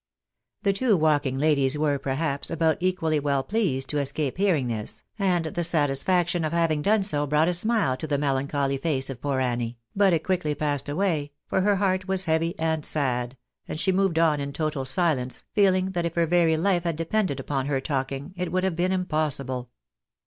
The two walking ladies were, nerhfliw. ahnnt equally well KEUXION BETWEEN ANNIE AND EGERTON. 327 pleased to escape hearing this, and the satisfaction of having done so, brought a smile to the melancholy face of poor Annie ; but it quickly passed away, for her heart was heavy and sad, and she moved on in total silence, feeling that if her very life had depended upon her talking, it would have been impossible.